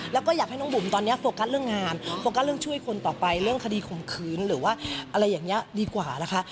แล้วก็อยากให้น้องบุ๋มตอนนี้โฟกัสเรื่องงานโฟกัสเรื่องช่วยคนต่อไปเรื่องคดีข่มขืนหรือว่าอะไรอย่างนี้ดีกว่านะคะ